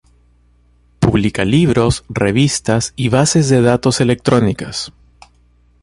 Publica libros, revistas y bases de datos electrónicas.